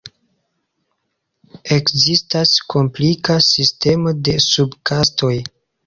Ekzistas komplika sistemo de sub-kastoj.